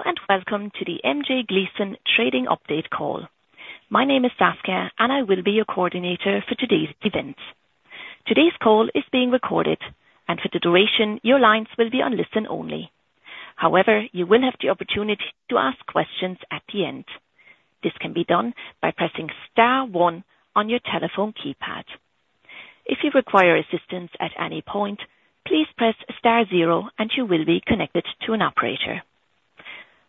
Hello, and welcome to the MJ Gleeson trading update call. My name is Saskia, and I will be your coordinator for today's event. Today's call is being recorded, and for the duration, your lines will be on listen only. However, you will have the opportunity to ask questions at the end. This can be done by pressing star one on your telephone keypad. If you require assistance at any point, please press star zero and you will be connected to an operator.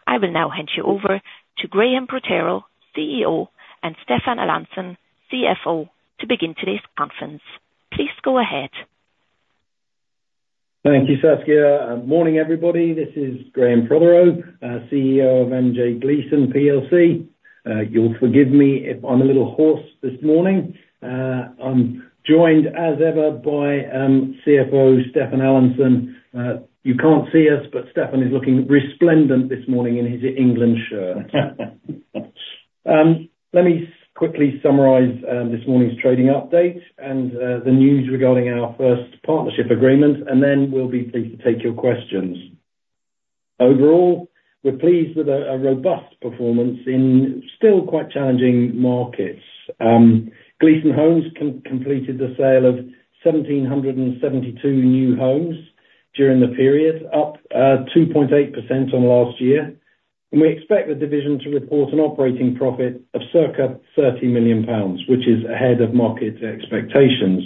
I will now hand you over to Graham Prothero, CEO, and Stefan Allanson, CFO, to begin today's conference. Please go ahead. Thank you, Saskia, and morning, everybody. This is Graham Prothero, CEO of MJ Gleeson plc. You'll forgive me if I'm a little hoarse this morning. I'm joined, as ever, by CFO Stefan Allanson. You can't see us, but Stefan is looking resplendent this morning in his England shirt. Let me quickly summarize this morning's trading update, and the news regarding our first partnership agreement, and then we'll be pleased to take your questions. Overall, we're pleased with a robust performance in still quite challenging markets. Gleeson Homes completed the sale of 1,772 new homes during the period, up 2.8% on last year, and we expect the division to report an operating profit of circa 30 million pounds, which is ahead of market expectations.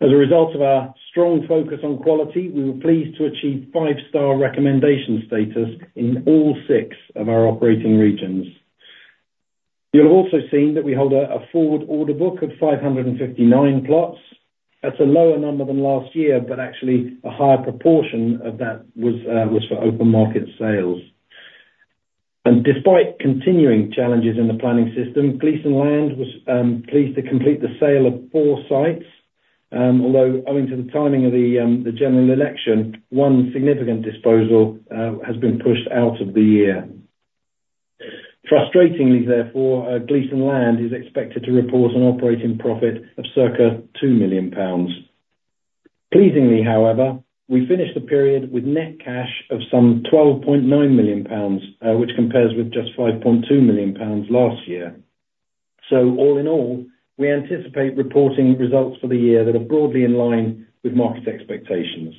As a result of our strong focus on quality, we were pleased to achieve five-star recommendation status in all six of our operating regions. You'll have also seen that we hold a forward order book of 559 plots. That's a lower number than last year, but actually a higher proportion of that was for open market sales. Despite continuing challenges in the planning system, Gleeson Land was pleased to complete the sale of four sites, although owing to the timing of the general election, one significant disposal has been pushed out of the year. Frustratingly, therefore, Gleeson Land is expected to report an operating profit of circa 2 million pounds. Pleasingly, however, we finished the period with net cash of some 12.9 million pounds, which compares with just 5.2 million pounds last year. So all in all, we anticipate reporting results for the year that are broadly in line with market expectations.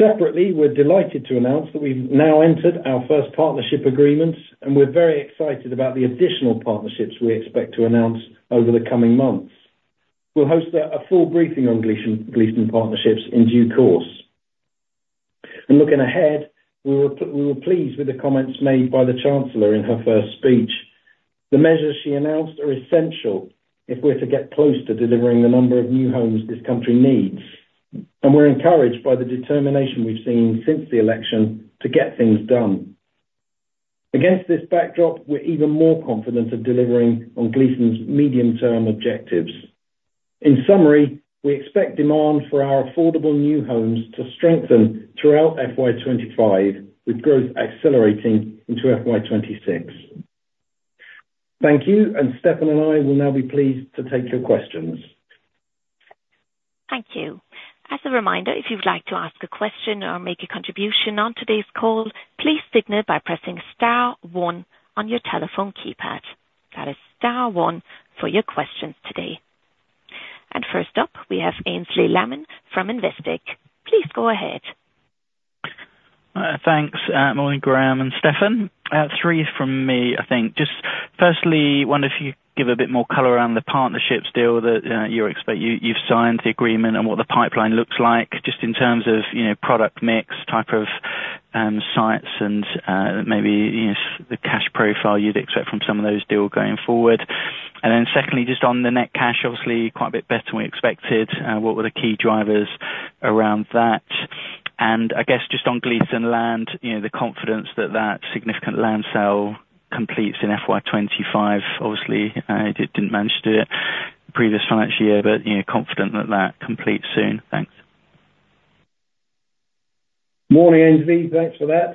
Separately, we're delighted to announce that we've now entered our first partnership agreement, and we're very excited about the additional partnerships we expect to announce over the coming months. We'll host a full briefing on Gleeson Partnerships in due course. And looking ahead, we were pleased with the comments made by the Chancellor in her first speech. The measures she announced are essential if we're to get close to delivering the number of new homes this country needs, and we're encouraged by the determination we've seen since the election to get things done. Against this backdrop, we're even more confident of delivering on Gleeson's medium-term objectives. In summary, we expect demand for our affordable new homes to strengthen throughout FY 25, with growth accelerating into FY 26. Thank you, and Stefan and I will now be pleased to take your questions. Thank you. As a reminder, if you'd like to ask a question or make a contribution on today's call, please signal by pressing star one on your telephone keypad. That is star one for your questions today. And first up, we have Aynsley Lammin from Investec. Please go ahead. Thanks. Morning, Graham and Stefan. Three from me, I think. Just firstly, wonder if you'd give a bit more color around the partnerships deal that you expect? You've signed the agreement, and what the pipeline looks like, just in terms of, you know, product mix, type of sites and, maybe, you know, the cash profile you'd expect from some of those deals going forward? And then secondly, just on the net cash, obviously quite a bit better than we expected. What were the key drivers around that? And I guess just on Gleeson Land, you know, the confidence that that significant land sale completes in FY 2025. Obviously, it didn't manage to do it previous financial year, but, you know, confident that that completes soon. Thanks. Morning, Aynsley. Thanks for that.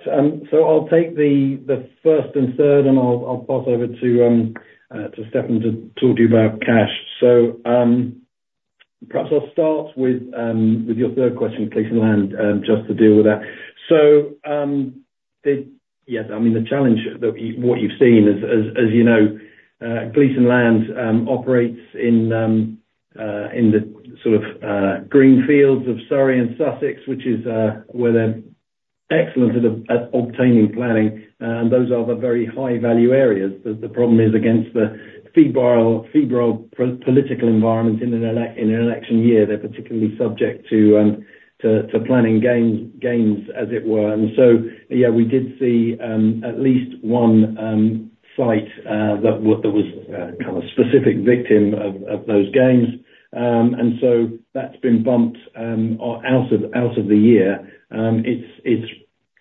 So I'll take the 1st and 3rd, and I'll pass over to Stefan to talk to you about cash. So, perhaps I'll start with your third question, Gleeson Land, just to deal with that. So, yes, I mean, the challenge that you, what you've seen, as you know, Gleeson Land operates in the sort of green fields of Surrey and Sussex, which is where they're excellent at obtaining planning, and those are the very high value areas. But the problem is, against the febrile political environment in an election year, they're particularly subject to planning gains, as it were. Yeah, we did see at least one site that was kind of specific victim of those gains. And so that's been bumped out of the year.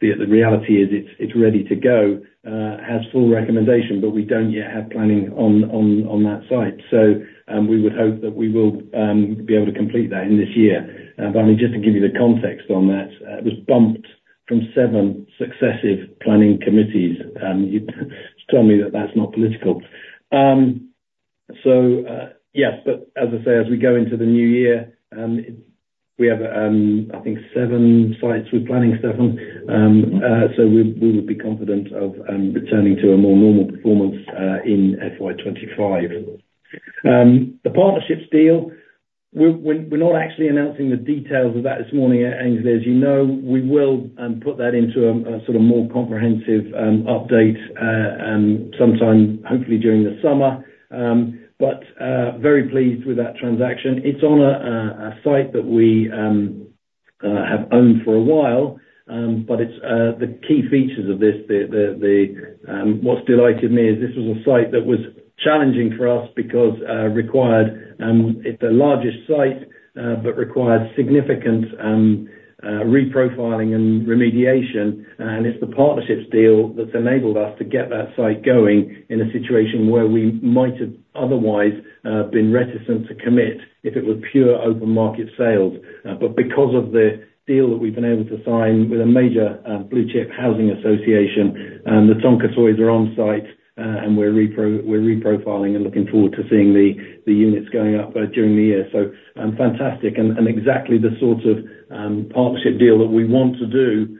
The reality is, it's ready to go, has full recommendation, but we don't yet have planning on that site. So, we would hope that we will be able to complete that in this year. But only just to give you the context on that, it was bumped from seven successive planning committees. You tell me that that's not political. So, yes, but as I say, as we go into the new year, we have, I think seven sites we're planning, Stefan? We would be confident of returning to a more normal performance in FY 25. The partnerships deal, we're not actually announcing the details of that this morning, Aynsley, as you know. We will put that into a sort of more comprehensive update sometime, hopefully during the summer. Very pleased with that transaction. It's on a site that we have owned for a while. But it's the key features of this. What's delighted me is this was a site that was challenging for us because required, it's the largest site, but required significant reprofiling and remediation. And it's the partnerships deal that's enabled us to get that site going in a situation where we might have otherwise been reticent to commit, if it was pure open market sales. But because of the deal that we've been able to sign with a major blue chip housing association, the Tonka toys are on site, and we're reprofiling and looking forward to seeing the units going up during the year. So, fantastic, and exactly the sort of partnership deal that we want to do,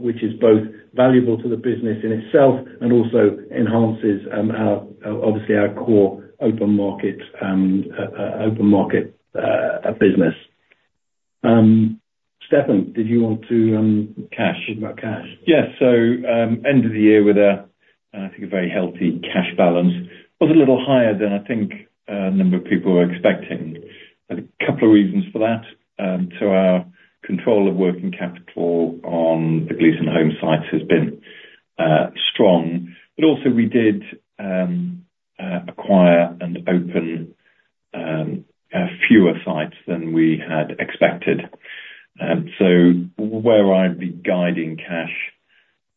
which is both valuable to the business in itself, and also enhances our, obviously our core open market business. Stefan, did you want to Cash. Talk about cash? Yes. So, end of the year with a, I think a very healthy cash balance. Was a little higher than I think, a number of people were expecting. A couple of reasons for that. So our control of working capital on the Gleeson Homes sites has been, strong, but also we did, acquire and open, a fewer sites than we had expected. So where I'd be guiding cash,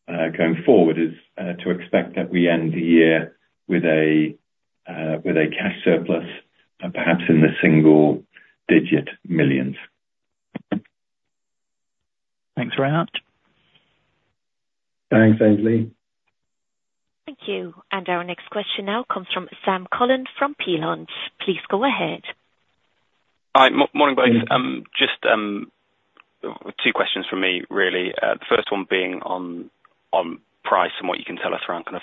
going forward is, to expect that we end the year with a, with a cash surplus, perhaps in the single-digit millions. Thanks, Rat. Thanks, Aynsley. Thank you. Our next question now comes from Sam Cullen from Peel Hunt. Please go ahead. Hi, morning, guys. Just two questions from me, really. The first one being on price, and what you can tell us around kind of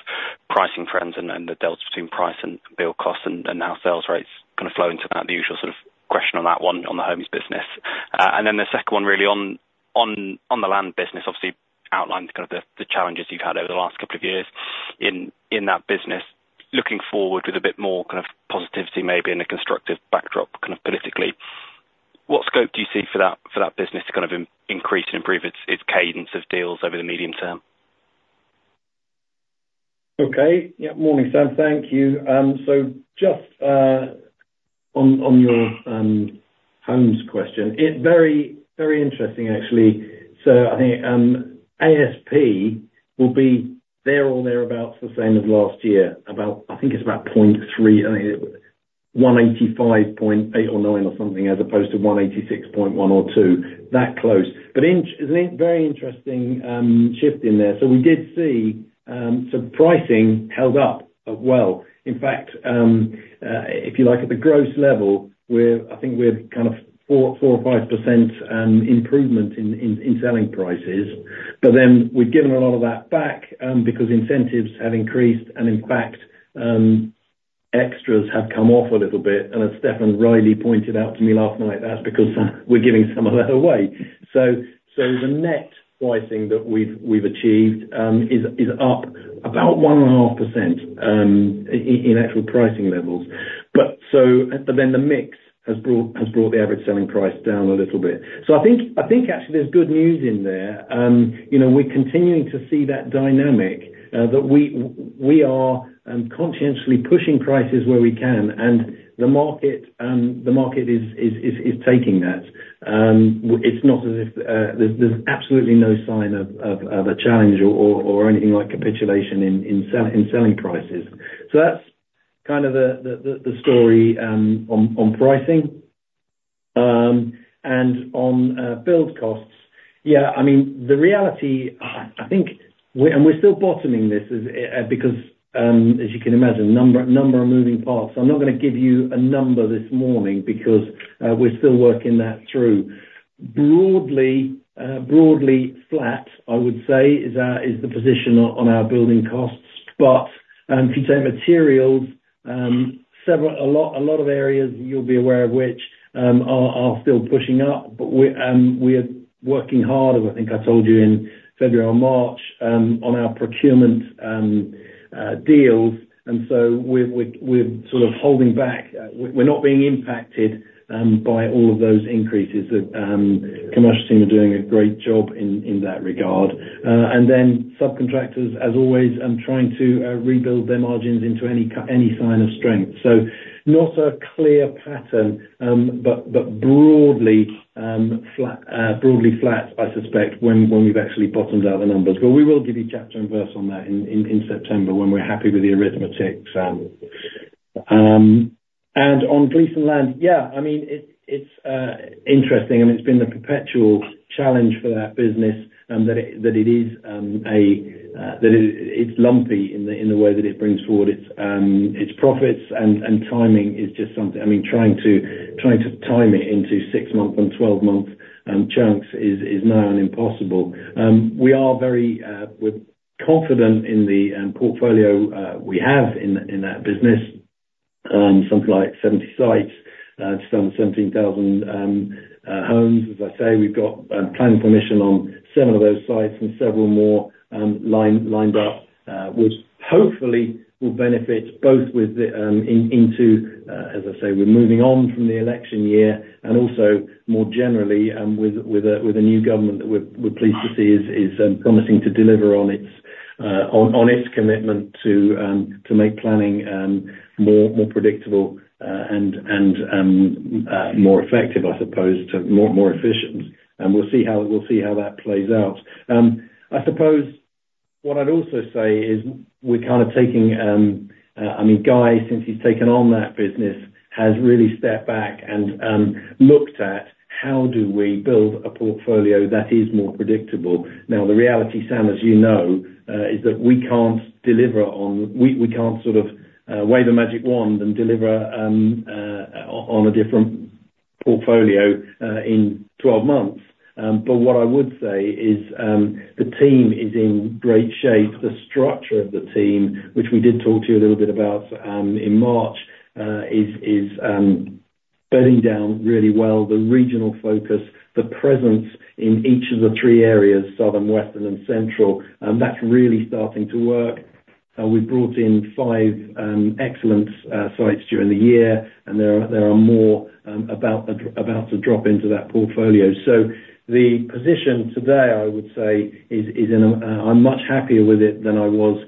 pricing trends and the delta between price and build costs, and how sales rates kind of flow into that? The usual sort of question on that one, on the homes business. Then the second one, really, on the land business, obviously outlined kind of the challenges you've had over the last couple of years in that business. Looking forward with a bit more kind of positivity, maybe in a constructive backdrop, kind of politically, what scope do you see for that business to kind of increase and improve its cadence of deals over the medium term? Okay. Yeah, morning, Sam. Thank you. So just on your homes question, it very, very interesting, actually. So I think ASP will be there or thereabouts, the same as last year, about. I think it's about GBP .3, I think GBP 185, GBP .8 or GBP .9 or something, as opposed to 186.1 or GBP .2. That close. But very interesting shift in there. So we did see, so pricing held up well. In fact, if you like, at the gross level, we're kind of 4 or 5% improvement in selling prices. But then we've given a lot of that back because incentives have increased, and in fact, extras have come off a little bit. As Stefan rightly pointed out to me last night, that's because we're giving some of that away. So the net pricing that we've achieved is up about 1.5% in actual pricing levels. But then the mix has brought the average selling price down a little bit. So I think actually there's good news in there. You know, we're continuing to see that dynamic that we are conscientiously pushing prices where we can, and the market is taking that. It's not as if there's absolutely no sign of a challenge or anything like capitulation in selling prices. So that's kind of the story on pricing. And on build costs, yeah, I mean, the reality, I think we and we're still bottoming this, because as you can imagine, number of moving parts. I'm not gonna give you a number this morning, because we're still working that through. Broadly flat, I would say, is the position on our building costs. But if you take materials, a lot of areas you'll be aware of which are still pushing up, but we're working hard, as I think I told you in February or March, on our procurement deals, and so we're sort of holding back. We're not being impacted by all of those increases that commercial team are doing a great job in that regard. And then subcontractors, as always, trying to rebuild their margins into any sign of strength. So not a clear pattern, but broadly flat, broadly flat, I suspect, when we've actually bottomed out the numbers. But we will give you chapter and verse on that in September, when we're happy with the arithmetic. And on Gleeson Land, yeah, I mean, it's interesting, and it's been the perpetual challenge for that business, and that it is a that it's lumpy in the way that it brings forward its profits, and timing is just something. I mean, trying to time it into 6-month and 12-month chunks is nigh on impossible. We are very, we're confident in the portfolio we have in that business. Something like 70 sites, just under 17,000 homes. As I say, we've got planning permission on several of those sites, and several more lined up, which hopefully will benefit both with the into, as I say, we're moving on from the election year, and also more generally, with a new government that we're pleased to see is promising to deliver on its commitment to make planning more predictable, and more effective, I suppose, to more efficient. We'll see how that plays out. I suppose what I'd also say is, we're kind of taking... I mean, Guy, since he's taken on that business, has really stepped back, and looked at how do we build a portfolio that is more predictable? Now, the reality, Sam, as you know, is that we can't deliver on—we can't sort of wave a magic wand and deliver on a different portfolio in 12 months. But what I would say is, the team is in great shape. The structure of the team, which we did talk to you a little bit about in March, is bedding down really well. The regional focus, the presence in each of the three areas, Southern, Western and Central, and that's really starting to work. We brought in five excellent sites during the year, and there are more about to drop into that portfolio. So the position today, I would say, is in a... I'm much happier with it than I was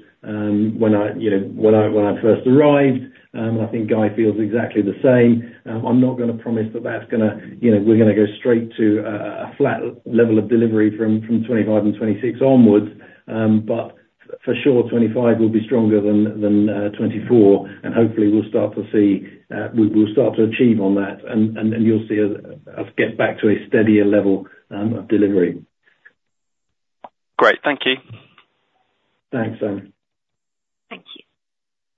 when I, you know, first arrived. I think Guy feels exactly the same. I'm not gonna promise that that's gonna, you know, we're gonna go straight to a flat level of delivery from 2025 and 2026 onwards, but for sure, 2025 will be stronger than 2024, and hopefully we'll start to see we'll start to achieve on that. And then you'll see us get back to a steadier level of delivery. Great. Thank you. Thanks, Sam. Thank you.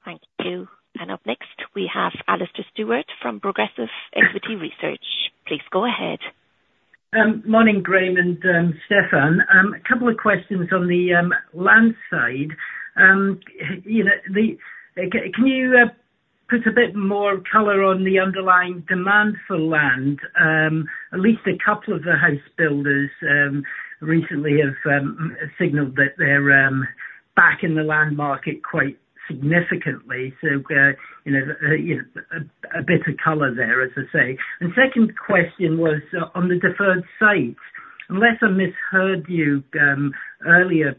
Thank you. Up next, we have Alastair Stewart from Progressive Equity Research. Please go ahead. Morning, Graham and Stefan. A couple of questions on the land side. You know, can you put a bit more color on the underlying demand for land? At least a couple of the house builders recently have signaled that they're back in the land market quite significantly. So, you know, a bit of color there, as I say. And second question was on the deferred sites, unless I misheard you earlier,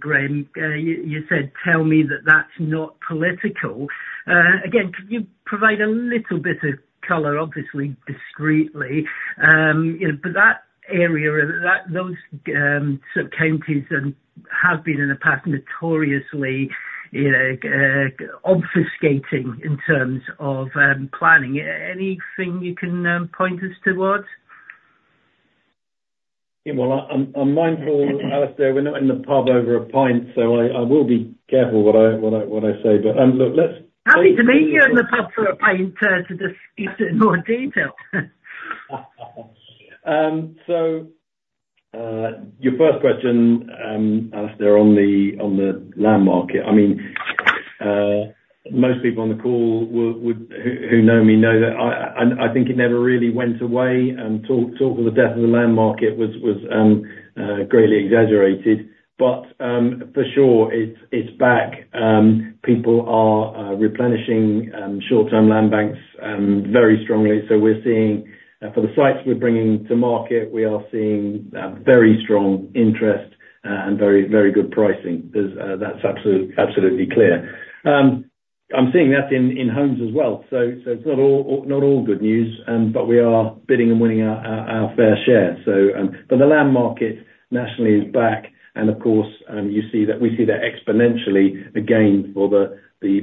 Graham, you said, "Tell me that that's not political." Again, could you provide a little bit of color, obviously discreetly? You know, but that area, or that, those sort of counties have been in the past notoriously, you know, obfuscating in terms of planning. Anything you can point us towards? Yeah, well, I'm mindful, Alastair, we're not in the pub over a pint, so I will be careful what I say. But, look, let's- Happy to meet you in the pub for a pint, to discuss it in more detail. So, your first question, Alastair, on the land market, I mean, most people on the call would... Who know me, know that I think it never really went away, and talk of the death of the land market was greatly exaggerated. But, for sure, it's back. People are replenishing short-term land banks very strongly. So we're seeing, for the sites we're bringing to market, we are seeing very strong interest and very good pricing. That's absolutely clear. I'm seeing that in homes as well, so it's not all good news, but we are bidding and winning our fair share, so... But the land market nationally is back, and of course, you see that, we see that exponentially, again, for the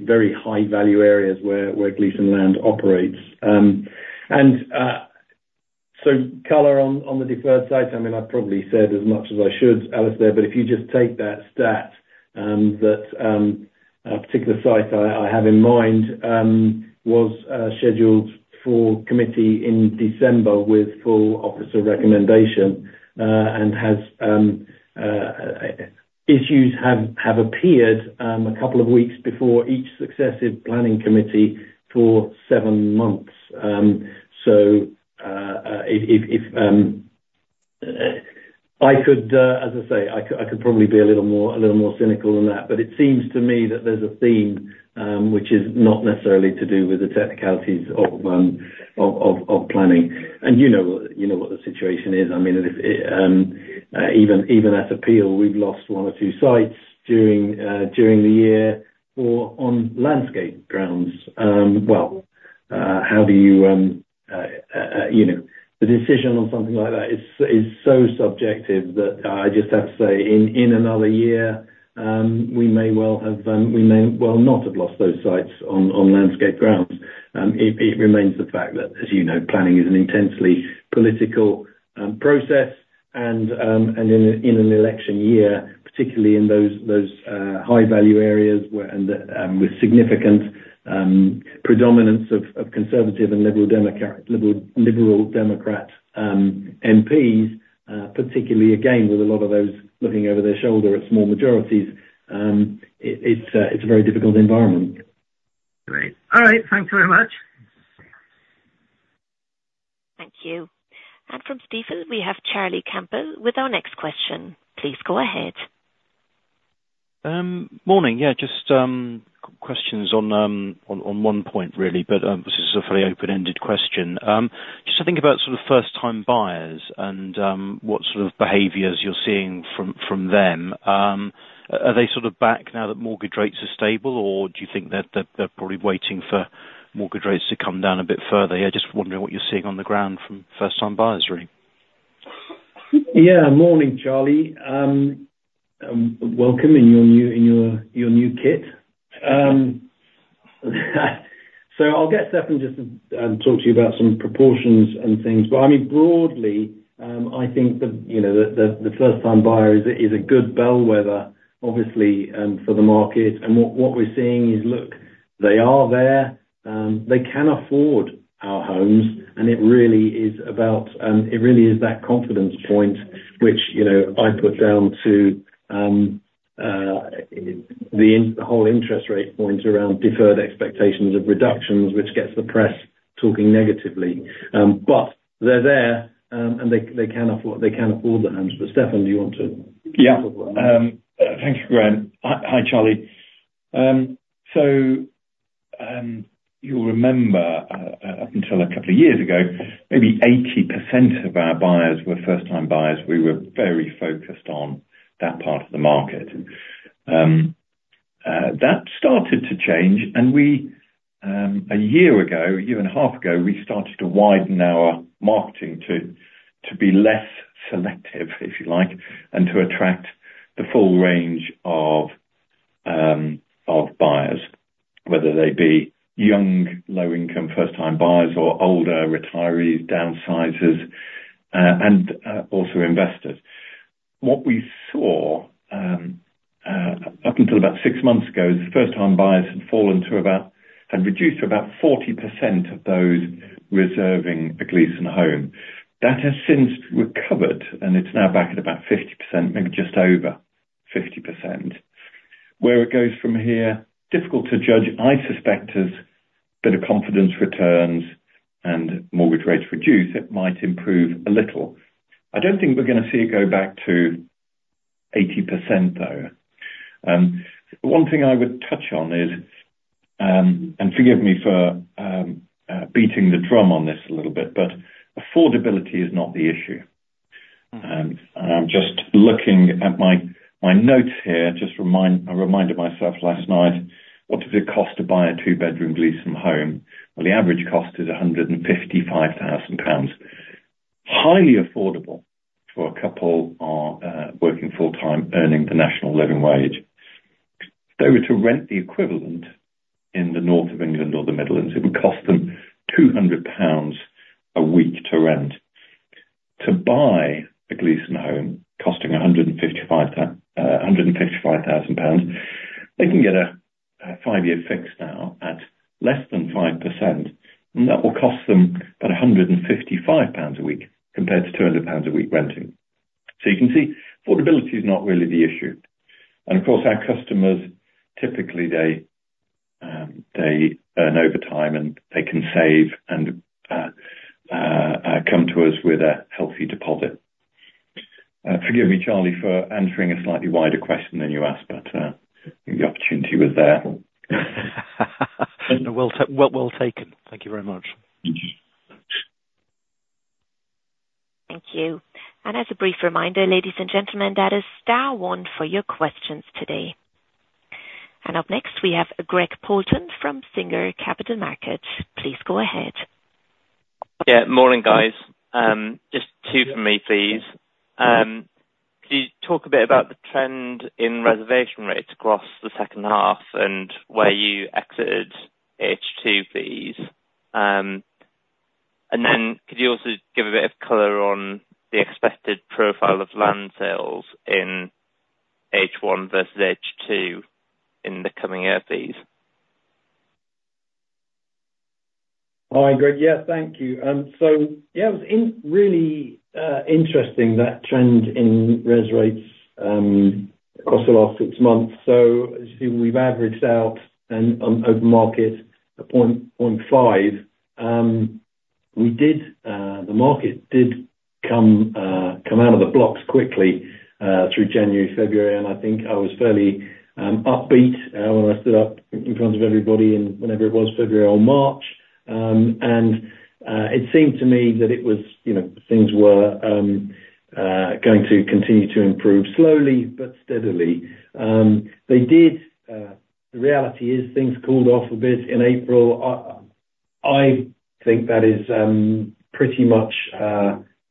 very high value areas where Gleeson Land operates. And so color on the deferred sites, I mean, I've probably said as much as I should, Alastair, but if you just take that stat, a particular site I have in mind, was scheduled for committee in December, with full officer recommendation, and has issues have appeared, a couple of weeks before each successive planning committee for seven months. So, if... I could, as I say, I could probably be a little more cynical than that, but it seems to me that there's a theme, which is not necessarily to do with the technicalities of planning. And you know what the situation is. I mean, even at appeal, we've lost one or two sites during the year, or on landscape grounds. Well, how do you, you know, the decision on something like that is so subjective that I just have to say, in another year, we may well have, we may well not have lost those sites on landscape grounds. It remains the fact that, as you know, planning is an intensely political process, and in an election year, particularly in those high value areas where and with significant predominance of Conservative and Liberal Democrat MPs, particularly again, with a lot of those looking over their shoulder at small majorities, it's a very difficult environment. Great. All right, thanks very much! Thank you. And from Stefan, we have Charlie Campbell, with our next question. Please go ahead. Morning. Yeah, just questions on one point, really, but this is a fairly open-ended question. Just to think about sort of first time buyers and what sort of behaviors you're seeing from them. Are they sort of back now that mortgage rates are stable, or do you think that they're probably waiting for mortgage rates to come down a bit further? Yeah, just wondering what you're seeing on the ground from first time buyers really. Yeah. Morning, Charlie. Welcome in your new kit. So I'll get Stefan just to talk to you about some proportions and things, but I mean, broadly, I think the, you know, the first time buyer is a good bellwether, obviously, for the market. And what we're seeing is, look, they are there, they can afford our homes, and it really is about, it really is that confidence point, which, you know, I put down to the whole interest rate point around deferred expectations of reductions, which gets the press talking negatively. But they're there, and they can afford the homes, but Stefan, do you want to- Yeah. Thank you, Graham. Hi, hi, Charlie. So, you'll remember, up until a couple of years ago, maybe 80% of our buyers were first time buyers. We were very focused on that part of the market. That started to change, and we, a year ago, a year and a half ago, we started to widen our marketing to be less selective, if you like, and to attract the full range of buyers, whether they be young, low income first time buyers, or older retirees, downsizers, and also investors. What we saw, up until about six months ago, is first time buyers had fallen to about, had reduced to about 40% of those reserving a Gleeson home. That has since recovered, and it's now back at about 50%, maybe just over 50%. Where it goes from here, difficult to judge. I suspect as a bit of confidence returns and mortgage rates reduce, it might improve a little. I don't think we're gonna see it go back to 80%, though. One thing I would touch on is, and forgive me for, beating the drum on this a little bit, but affordability is not the issue. And I'm just looking at my notes here, I reminded myself last night, what does it cost to buy a two-bedroom Gleeson home? Well, the average cost is 155,000 pounds. Highly affordable for a couple, working full-time, earning the national living wage. If they were to rent the equivalent in the south of England or the Midlands, it would cost them 200 pounds a week to rent. To buy a Gleeson home costing 155,000 pounds, they can get a five-year fixed now, at less than 5%, and that will cost them about 155 pounds a week, compared to 200 pounds a week renting. So you can see, affordability is not really the issue. And of course, our customers, typically, they earn over time, and they can save and come to us with a healthy deposit. Forgive me, Charlie, for answering a slightly wider question than you asked, but the opportunity was there. Well, well taken. Thank you very much. Mm-hmm. Thank you. As a brief reminder, ladies and gentlemen, that is star one for your questions today. And up next, we have Greg Poulton from Singer Capital Markets. Please go ahead. Yeah, morning, guys. Just two from me, please. Could you talk a bit about the trend in reservation rates across the second half, and where you exited H2, please? And then could you also give a bit of color on the expected profile of land sales in H1 versus H2 in the coming year, please? Hi, Greg. Yeah, thank you. So, yeah, it was really interesting, that trend in res rates across the last six months. So as you see, we've averaged out and on open market 1.5. The market did come out of the blocks quickly through January, February, and I think I was fairly upbeat when I stood up in front of everybody in, whenever it was, February or March. And it seemed to me that it was, you know, things were going to continue to improve slowly but steadily. The reality is, things cooled off a bit in April. I think that is pretty much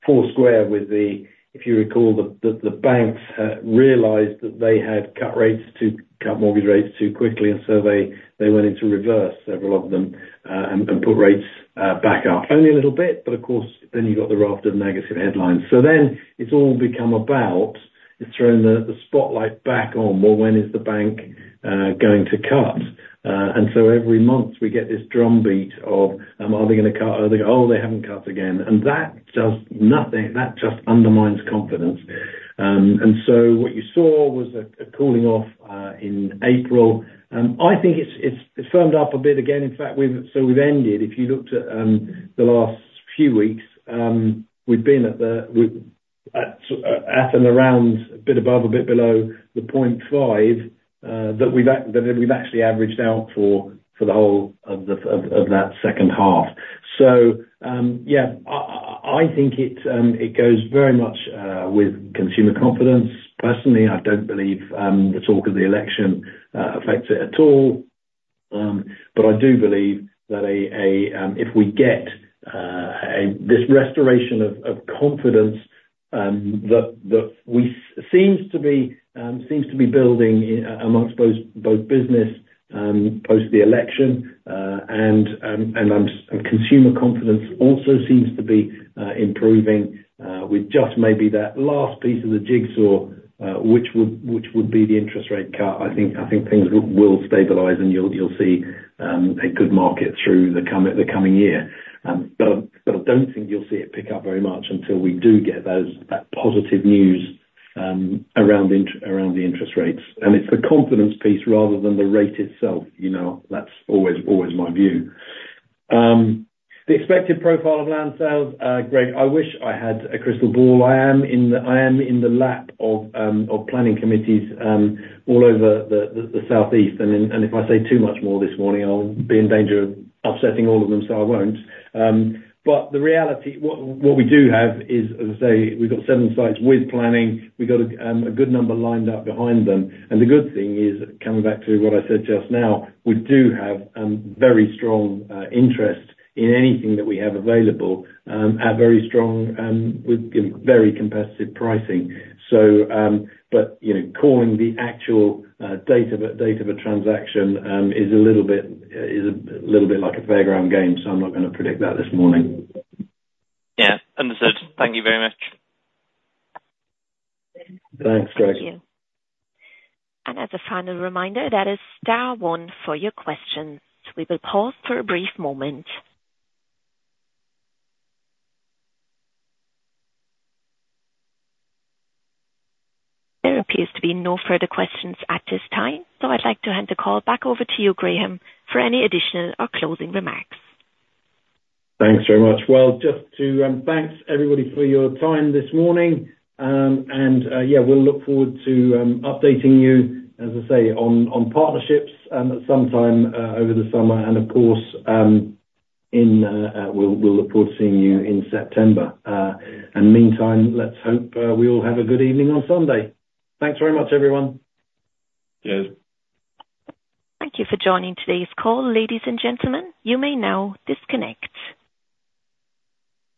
foursquare with the, if you recall, the Banks realized that they had cut rates to cut mortgage rates too quickly, and so they went into reverse, several of them, and put rates back up. Only a little bit, but of course, then you've got the raft of negative headlines. So then it's all become about, it's thrown the spotlight back on, well, when is the Bank going to cut? And so every month we get this drumbeat of, are they gonna cut? Are they? Oh, they haven't cut again. And that does nothing, that just undermines confidence. And so what you saw was a cooling off in April? I think it's firmed up a bit again. In fact, we've... So we've ended, if you looked at the last few weeks, we've been at the, at and around, a bit above, a bit below, the 0.5 that we've actually averaged out for the whole of the, of that second half. So, yeah, I think it goes very much with consumer confidence. Personally, I don't believe the talk of the election affects it at all. But I do believe that if we get this restoration of confidence, that we... Seems to be building amongst both businesses post the election, and consumer confidence also seems to be improving, with just maybe that last piece of the jigsaw, which would be the interest rate cut. I think things will stabilize, and you'll see a good market through the coming year. But I don't think you'll see it pick up very much until we do get that positive news around the interest rates. And it's the confidence piece rather than the rate itself, you know? That's always my view. The expected profile of land sales, Greg, I wish I had a crystal ball. I am in the lap of planning committees all over the Southeast, and if I say too much more this morning, I'll be in danger of upsetting all of them, so I won't. But the reality, what we do have is, as I say, we've got seven sites with planning. We've got a good number lined up behind them, and the good thing is, coming back to what I said just now, we do have very strong interest in anything that we have available, at very strong, with, you know, very competitive pricing. But you know, calling the actual date of a transaction is a little bit like a fairground game, so I'm not gonna predict that this morning. Yeah. Understood. Thank you very much. Thanks, Greg. Thank you. As a final reminder, that is star one for your questions. We will pause for a brief moment. There appears to be no further questions at this time, so I'd like to hand the call back over to you, Graham, for any additional or closing remarks. Thanks very much. Well, just to, thanks everybody for your time this morning. And, yeah, we'll look forward to, updating you, as I say, on, on partnerships, sometime, over the summer, and of course, in, we'll, we'll look forward to seeing you in September. And meantime, let's hope, we all have a good evening on Sunday. Thanks very much, everyone. Cheers. Thank you for joining today's call, ladies and gentlemen. You may now disconnect.